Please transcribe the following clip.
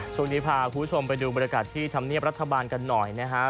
ช่วงนี้พาคุณผู้ชมไปดูบรรยากาศที่ธรรมเนียบรัฐบาลกันหน่อยนะฮะ